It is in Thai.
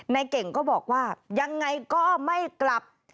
เก่งก็บอกว่ายังไงก็ไม่กลับ